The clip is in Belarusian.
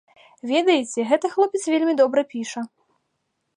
Ведаеце, гэты хлопец вельмі добра піша.